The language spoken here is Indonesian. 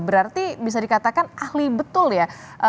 berarti bisa dikatakan ahli betul ya